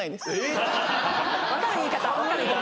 分かる言い方。